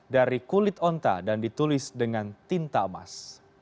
dari kulit onta dan ditulis dengan tinta emas